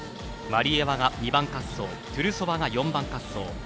ワリエワが２番滑走トゥルソワが４番滑走。